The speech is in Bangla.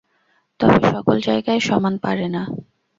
তবে সকল জায়গায় সমান পারে না।